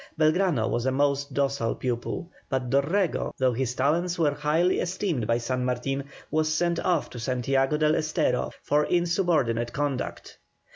Belgrano was a most docile pupil, but Dorrego, though his talents were highly esteemed by San Martin, was sent off to Santiago del Estero for insubordinate conduct.